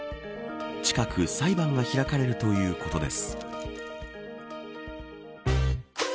近く裁判が開かれるということです。